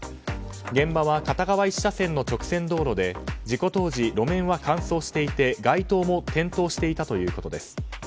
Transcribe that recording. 現場は片側１車線の直線道路で事故当時、路面は乾燥していて街灯も点灯していたということです。